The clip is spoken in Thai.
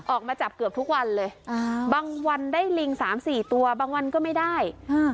ออกมาจับเกือบทุกวันเลยอ่าบางวันได้ลิงสามสี่ตัวบางวันก็ไม่ได้อ่า